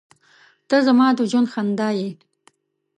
• ته زما د ژوند خندا یې.